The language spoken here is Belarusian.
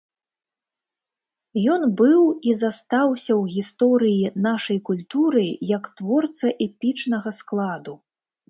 Ён быў і застаўся ў гісторыі нашай культуры як творца эпічнага складу.